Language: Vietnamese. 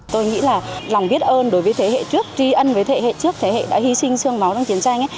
tôi nghĩ là lòng biết ơn đối với thế hệ trước tri ân với thế hệ trước thế hệ đã hy sinh sương máu trong chiến tranh